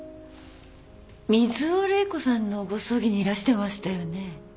水尾玲子さんのご葬儀にいらしてましたよね？